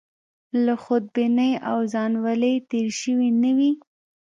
له خودبینۍ او ځانولۍ تېر شوي نه وي.